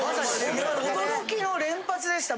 驚きの連発でした。